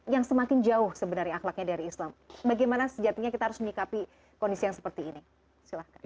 yang semakin jauh sebenarnya akhlaknya dari islam bagaimana sejatinya kita harus menyikapi kondisi yang seperti ini silahkan